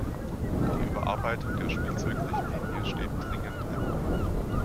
Die Überarbeitung der Spielzeugrichtlinie steht dringend an.